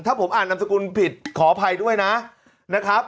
ถ้าผมอ่านนามสกุลผิดขออภัยด้วยนะครับ